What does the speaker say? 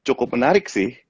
cukup menarik sih